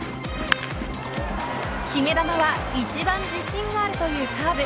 決め球は一番自信があるというカーブ。